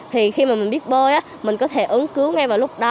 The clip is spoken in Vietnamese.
thì khi mà mình biết bơi mình có thể ứng cứu ngay vào lúc đó